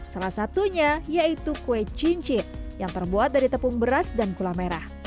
salah satunya yaitu kue cincin yang terbuat dari tepung beras dan gula merah